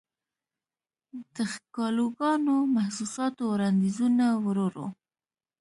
دښکالوګانو، محسوساتووړاندیزونه وروړو